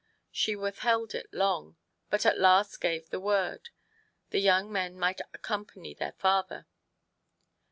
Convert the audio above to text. She withheld it long, but at last gave the word : the young men might accompany their father.